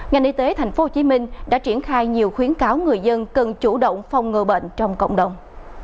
ngành y tế tp hcm đã triển khai nhiều khuyến cáo người dân cần chủ động phong ngừa bệnh trong cộng đồng